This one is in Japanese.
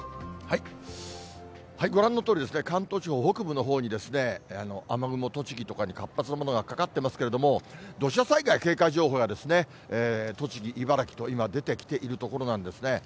ご覧のとおりですね、関東地方北部のほうに雨雲、栃木とかに活発なものがかかってますけれども、土砂災害警戒情報が栃木、茨城と今、出てきているところなんですね。